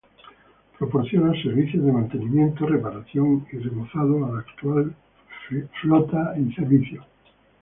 Proporciona servicios de mantenimiento, reparación y remozado a la actual flota en servicio.